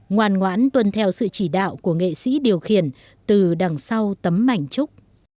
ngoan ngoãn tuân theo sự chỉ đạo của nghệ sĩ điều khiển từ đằng sau tấm mảnh trúc